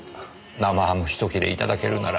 生ハム一切れ頂けるなら。